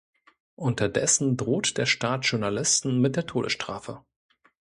Unterdessen droht der Staat Journalisten mit der Todesstrafe.